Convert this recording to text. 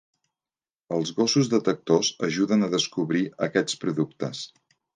Els gossos detectors ajuden a descobrir aquests productes.